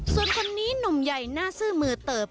ส่วนคนนี้หนุ่มใหญ่หน้าซื่อมือเติบ